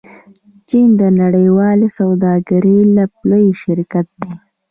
چین د نړیوالې سوداګرۍ لوی شریک دی.